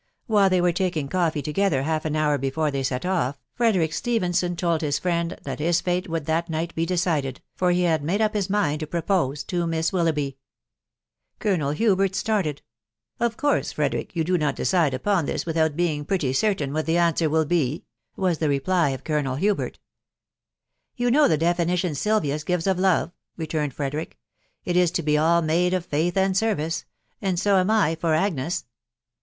While they were taking coffee together half an hour before they set off, Frederick Stephenson told his friend that his fate would that night be decided, for he had made up his mind to propose to Miss Willoughby. Colonel Hubert started. ...^ Of course, Frederick, yon do pot decide upon this without bemg \rcetVj rcrtaLxi ^hat the an swer will be," wag the reply of Colonel T\»ter^ THB WIDOW BARNABY. 5M3 •' You know the definition Silvius gives of love/' returned Frederick. " It is to be all made of faith and service .... and so am I for Agnes.